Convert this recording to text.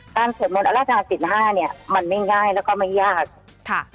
การเขียนหนึ่งอัตรา๑๕เนี่ยมันไม่ง่ายแล้วก็ไม่ยาก